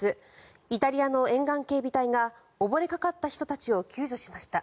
イタリアの沿岸警備隊が溺れかかった人たちを救助しました。